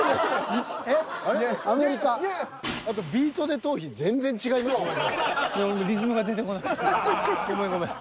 あとごめんごめん。